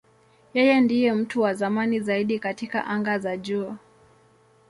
Yeye ndiye mtu wa zamani zaidi katika anga za juu.